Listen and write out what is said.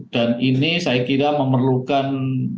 dan ini saya kira memerlukan